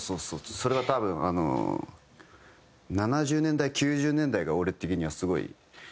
それは多分あの７０年代９０年代が俺的にはすごい。